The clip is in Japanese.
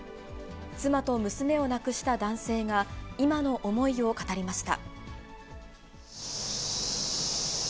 妻と娘を亡くした男性が、今の思いを語りました。